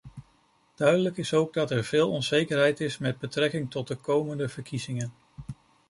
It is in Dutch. Duidelijk is ook dat er veel onzekerheid is met betrekking tot de komende verkiezingen.